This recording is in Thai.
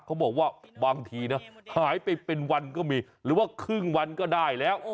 เขาบอกว่าบางทีนะหายไปเป็นวันก็มีหรือว่าครึ่งวันก็ได้แล้ว